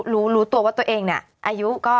รู้ตัวว่าตัวเองเนี่ยอายุก็